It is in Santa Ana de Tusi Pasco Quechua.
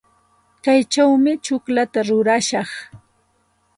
Kaychawmi tsukllata rurashaq.